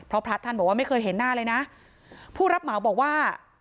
เพราะพระท่านบอกว่าไม่เคยเห็นหน้าเลยนะผู้รับเหมาบอกว่า